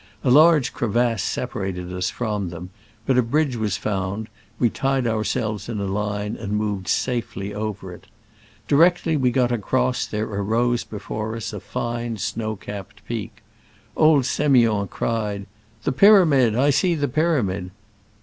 A large crevasse separated us from them, but a bridge was found : we tied ourselves in line and moved safely over it. Directly we got across there arose before us a fine snow capped peak. Old S6miond cried, "The' pyramid! I see the pyramid!"